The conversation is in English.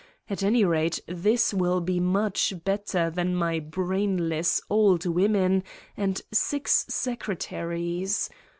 at any rate this will be much better than my brainless old women and six secretaries.